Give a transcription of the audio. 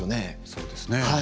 そうですね。